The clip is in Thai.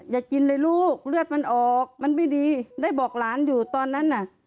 อย่ากินเลยลูกเลือดมันออกมันไม่ดีได้บอกหลานอยู่ตอนนั้นน่ะ